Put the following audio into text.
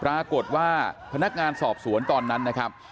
ปรากฏว่าพนักงานสอบสวนตอนนั้นนะครับ